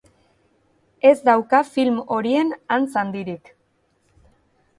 Ez dauka film horien antz handirik.